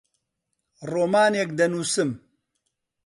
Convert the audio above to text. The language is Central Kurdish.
ڕۆمانێک دەنووسم.